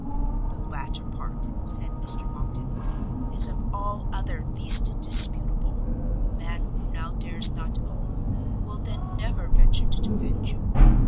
"The latter part," said Mr Monckton, "is of all other least disputable; the man who now dares not own, will then never venture to defend you.